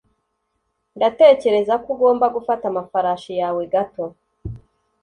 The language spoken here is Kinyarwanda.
Ndatekereza ko ugomba gufata amafarashi yawe gato.